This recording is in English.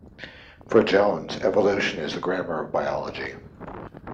For Jones, 'evolution is the grammar of biology'.